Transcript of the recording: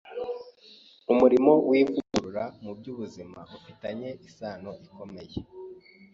Umurimo w’ivugurura mu by’ubuzima ufitanye isano ikomeye